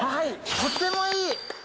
とてもいい！